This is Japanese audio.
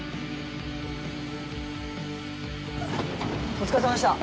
お疲れさまでした。